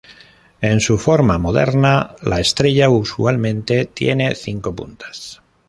En su forma moderna la estrella usualmente tiene cinco puntas.